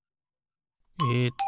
えっと